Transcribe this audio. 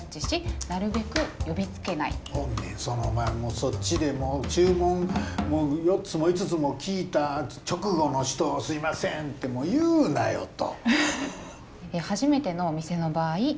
そっちでもう注文４つも５つも聞いた直後の人を「すいません！」ってもう言うなよと。